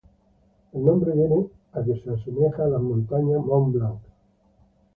El nombre viene a que se asemeja a las montañas Mont Blanc.